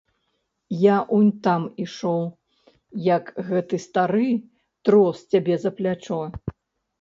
Я унь там ішоў, як гэты стары трос цябе за плячо.